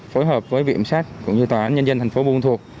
phối hợp với vị ẩm sát cũng như tòa án nhân dân thành phố buôn ma thuột